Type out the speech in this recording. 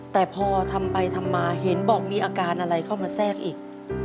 แต่พอทำไปทำมาเห็นบอกมีอาการอะไรเข้ามาแทรกอีก